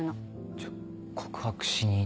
じゃあ告白しにいって。